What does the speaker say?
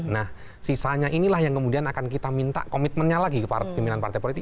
nah sisanya inilah yang kemudian akan kita minta komitmennya lagi ke pimpinan partai politik